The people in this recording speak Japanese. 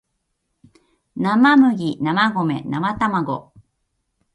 生麦生米生たまご